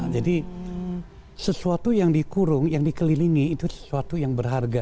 jadi sesuatu yang dikurung yang dikelilingi itu sesuatu yang berharga